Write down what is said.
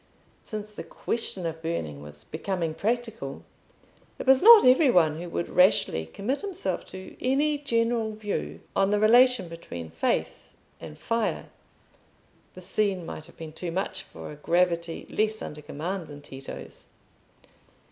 Since the question of burning was becoming practical, it was not every one who would rashly commit himself to any general view of the relation between faith and fire. The scene might have been too much for a gravity less under command than Tito's.